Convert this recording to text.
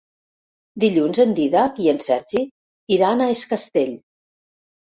Dilluns en Dídac i en Sergi iran a Es Castell.